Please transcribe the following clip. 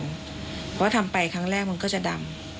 เพราะทำไปครั้งแรกมันก็จะดำ